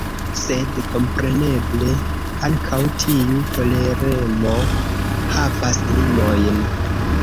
Sed kompreneble ankaŭ tiu toleremo havas limojn.